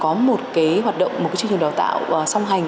có một cái hoạt động một cái chương trình đào tạo song hành